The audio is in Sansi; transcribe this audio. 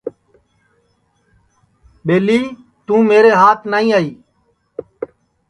ٻیلی تو میرے ہات نائی آئی